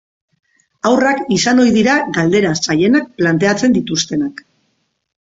Haurrak izan ohi dira galdera zailenak planteatzen dituztenak.